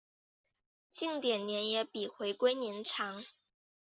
近点年也比回归年长。